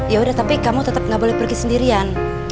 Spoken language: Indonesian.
yaudah tapi kamu tetap nggak boleh pergi sendirian